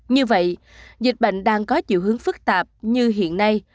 như vậy dịch bệnh đang có chiều hướng phức tạp như hiện nay